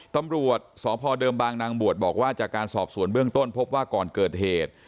ตำรวจสพเดิมบางนางบวชบอกว่าจากการสอบสวนเบื้องต้นพบว่าก่อนเกิดเหตุ